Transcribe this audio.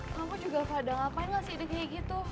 kamu juga fadang aapain nggak sih ide kaya gitu